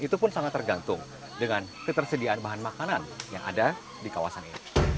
itu pun sangat tergantung dengan ketersediaan bahan makanan yang ada di kawasan ini